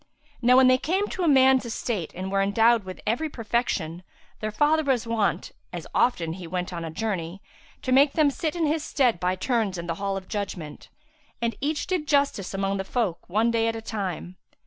Now when they came to man's estate and were endowed with every perfection, their father was wont, as often as he went on a journey, to make them sit in his stead by turns in the hall of judgement; and each did justice among the folk one day at a time.